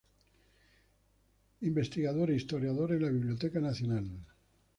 Investigador e historiador en la Biblioteca Nacional.